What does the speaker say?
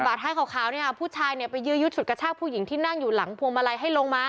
กระบะท้ายขาวเนี่ยผู้ชายไปยืดชุดกระชากผู้หญิงที่นั่งอยู่หลังพวงมาลัยให้ลงมา